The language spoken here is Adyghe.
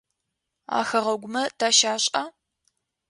А хэгъэгумэ тащашӏа?